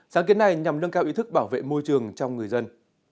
sáng kiến này nhằm nâng cao ý thức bảo vệ môi trường trong người dân